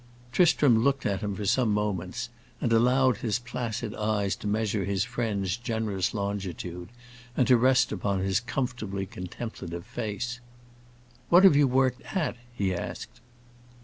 Tristram looked at him for some moments, and allowed his placid eyes to measure his friend's generous longitude and rest upon his comfortably contemplative face. "What have you worked at?" he asked.